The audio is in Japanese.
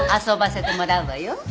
遊ばせてもらうわよ。